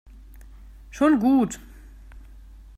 Schon gut.